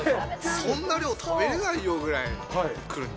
そんな量食べれないよぐらいくるんで。